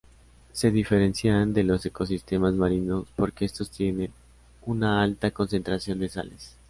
Se diferencian de los ecosistemas marinos porque estos tienen una alta concentración de sales.